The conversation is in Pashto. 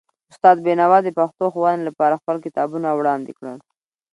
استاد بینوا د پښتو ښوونې لپاره خپل کتابونه وړاندې کړل.